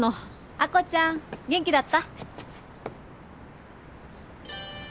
亜子ちゃん元気だった？